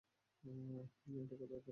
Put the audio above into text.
এটা কাতাদার অভিমত।